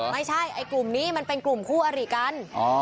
ไม่ใช่ไอ้กลุ่มนี้มันเป็นกลุ่มคู่อริกันอ๋อ